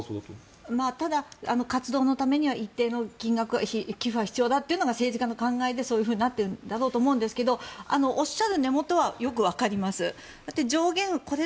ただ、活動のためには一定の寄付が必要だというのが政治家の考えでそういうふうになってるんですがおっしゃる根本はよくわかります。